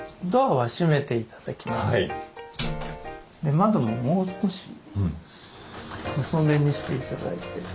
窓ももう少し細めにして頂いて。